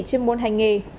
cho tàu vỏ gỗ